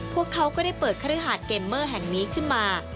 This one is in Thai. พวกเขาก็ได้เปิดคฤหาสเกมเมอร์แห่งนี้ขึ้นมา